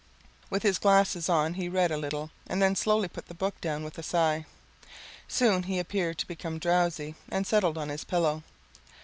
With his glasses on he read a little and then slowly put the book down with a sigh. Soon he appeared to become drowsy and settled on his pillow.